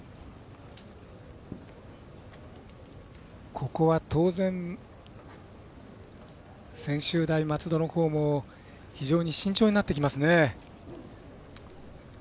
ここは当然、専修大松戸のほうも非常に慎重になってきますね。